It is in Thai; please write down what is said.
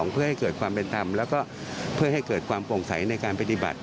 เพื่อให้เกิดความเป็นธรรมแล้วก็เพื่อให้เกิดความโปร่งใสในการปฏิบัติ